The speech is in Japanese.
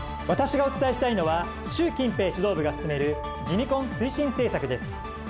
私がお伝えしたいのは習近平指導部が進めるジミ婚推進政策です。